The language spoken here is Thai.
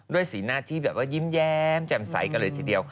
สีหน้าที่แบบว่ายิ้มแย้มแจ่มใสกันเลยทีเดียว